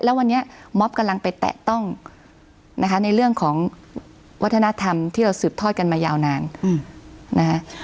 แล้ววันนี้มอบกำลังไปแตะต้องในเรื่องวัฒนธรรมที่เราสืบทอดกันไปยาวนาน